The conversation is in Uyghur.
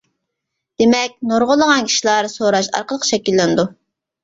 دېمەك : نۇرغۇنلىغان ئىشلار سوراش ئارقىلىق شەكىللىنىدۇ.